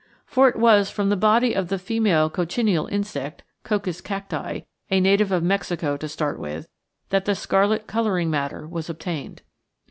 For it was from the body of the female cochineal insect (Coccus cacti), a native of Mexico to start with, that the scarlet colouring matter was obtained.